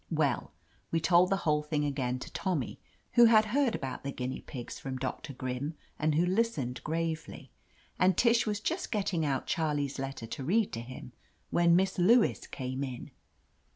Well, we told the whole thing again to Tommy, who had heard about the guinea pigs from Doctor Grim, and who listened gravely, and Tish was just getting out Charlie's letter to read to him, when Miss Lewis came in.